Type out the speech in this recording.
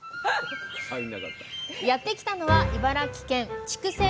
やって来たのは茨城県筑西市。